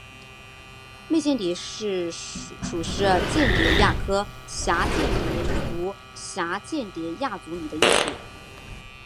媚蚬蝶属是蚬蝶亚科蛱蚬蝶族蛱蚬蝶亚族里的一个属。